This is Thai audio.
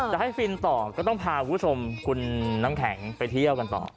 จะให้ฟินต่อก็ต้องพาคุณผู้ชมคุณน้ำแข็งไปเที่ยวกันต่อ